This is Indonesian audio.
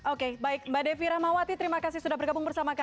oke baik mbak devi rahmawati terima kasih sudah bergabung bersama kami